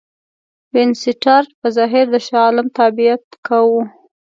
وینسیټارټ په ظاهره د شاه عالم تابعیت کاوه.